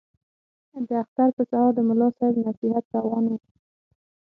د اختر په سهار د ملا صاحب نصیحت روان وو.